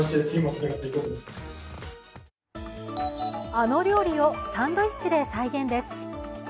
あの料理をサンドイッチで再現です。